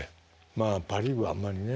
まあパ・リーグはあんまりね。